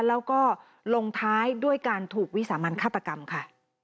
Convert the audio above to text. แล้วก็ลงท้ายด้วยการถูกวิสามันฆาตกรรมค่ะ